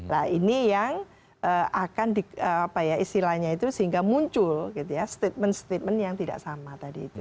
nah ini yang akan di apa ya istilahnya itu sehingga muncul gitu ya statement statement yang tidak sama tadi itu